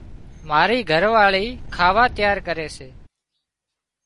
مارِي گھر واۯِي کاوا تيار ڪري سي۔